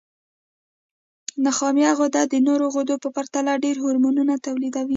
نخامیه غده د نورو غدو په پرتله ډېر هورمونونه تولیدوي.